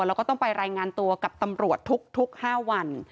แล้วก็ต้องไปรายงานตัวกับตำรวจทุก๕วัน